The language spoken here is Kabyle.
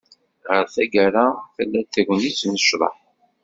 Ɣer taggara, tella-d tegnit n ccḍeḥ.